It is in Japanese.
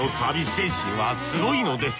精神はすごいのです。